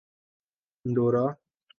Andorra